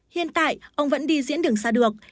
hiện tại ông vẫn đi diễn đường xa được